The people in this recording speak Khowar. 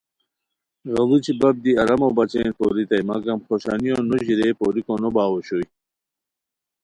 غیڑوچی بپ دی آرامو بچین پورتائے مگم خوشانیو نو ژیرئے پوریکو نو باؤ اوشوئے